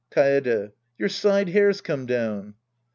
Kaede. Your side hair's come down.